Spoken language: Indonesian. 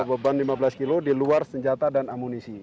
beban lima belas kilo di luar senjata dan amunisi